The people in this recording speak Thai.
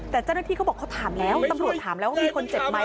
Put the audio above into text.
แต่เจ้าหน้าที่เขาบอกเขาถามแล้วตำรวจถามแล้วว่ามีคนเจ็บไหม